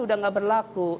sudah tidak berlaku